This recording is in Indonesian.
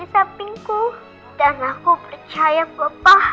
kamu tegar kuat